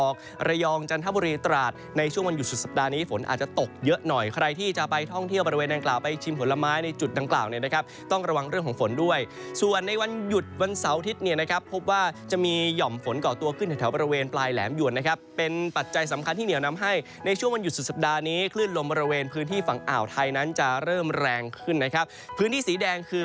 กลับไปนางกลาวไปชิมผลไม้ในจุดนางกล่าวต้องระวังเรื่องโฝนด้วยส่วนในวันหยุดวันเสาร์ทิศเนี่ยนะครับพบว่าจะมีหย่อมฝนเกาะตัวขึ้นแต่แถวบริเวณปลายแหลงหวนนะครับเป็นปัจจัยสำคัญที่เหนียวนำให้ในช่วงวันหยุดสุดสัปดาห์ในคลื่นลมบริเวณพื้นที่ฝั่งอ่าวไทยนั้นจะเริ่มแร